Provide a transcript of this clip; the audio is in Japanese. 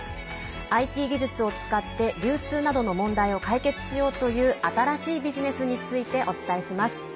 ＩＴ技術を使って、流通などの問題を解決しようという新しいビジネスについてお伝えします。